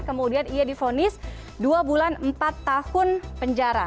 kemudian ia difonis dua bulan empat tahun penjara